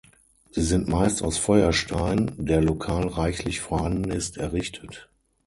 Sie sind meist aus Feuerstein, der lokal reichlich vorhanden ist, errichtet.